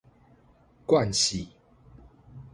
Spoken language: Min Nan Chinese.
慣勢